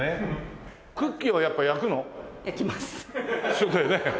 そうだよね。